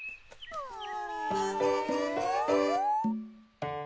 うん？